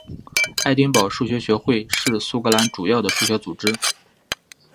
爱丁堡数学学会是苏格兰主要的数学组织。